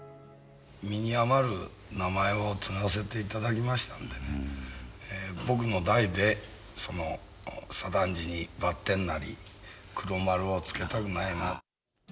身に余る名前を継がせていただきましたんでね、僕の代でその左團次に、バッテンなり黒丸は付けたくないな。